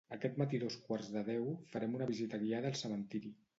Aquest matí a dos quarts de deu farem una visita guiada al cementiri